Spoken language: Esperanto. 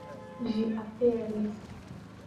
Ĝi aperis!